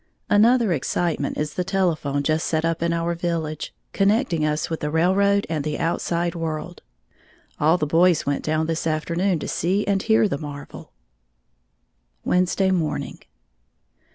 Another excitement is the telephone just set up in our village, connecting us with the railroad and the outside world. All the boys went down this afternoon to see and hear the marvel. _Wednesday Morning.